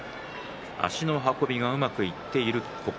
足の運びがうまくいっている